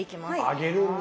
揚げるんだ。